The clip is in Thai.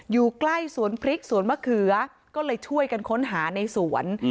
อยู่ใกล้สวนพริกสวนมะเขือก็เลยช่วยกันค้นหาในสวน